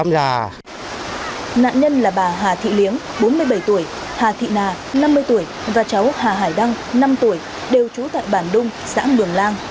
nạn nhân là bà hà thị liếng bốn mươi bảy tuổi hà thị nà năm mươi tuổi và cháu hà hải đăng năm tuổi đều trú tại bản đông xã mường lang